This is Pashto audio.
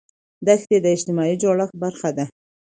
دښتې د اجتماعي جوړښت برخه ده.